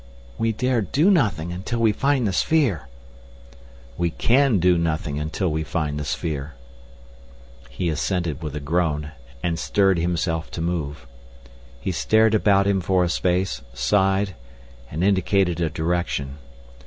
"We dare do nothing until we find the sphere!" "We can do nothing until we find the sphere." He assented with a groan and stirred himself to move. He stared about him for a space, sighed, and indicated a direction.